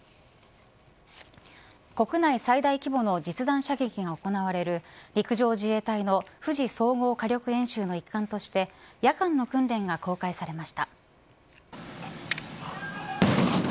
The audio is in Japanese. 国内最大規模の実弾射撃が行われる陸上自衛隊の富士総合火力演習の一環として夜間の訓練が公開されました。